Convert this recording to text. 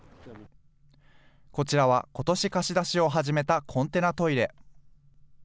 こちらは、ことし貸し出しを始めたコンテナトイレ。